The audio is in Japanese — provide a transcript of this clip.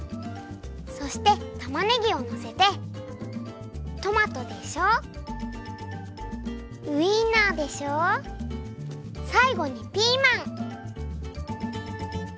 そしてたまねぎをのせてトマトでしょウインナーでしょさいごにピーマン。